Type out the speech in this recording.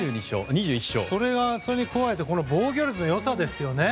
それに加えてこの防御率の良さですよね。